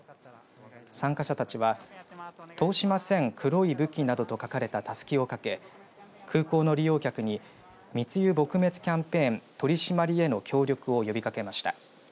参加者たちは通しません、黒い武器などと書かれたたすきを掛け空港の利用客に密輸撲滅キャンペーン取り締まりへの協力を呼びかけました。